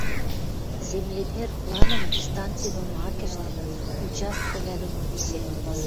— Землемер планым дистанци доно ак ӹштӹ, участкывлӓ доно висӓ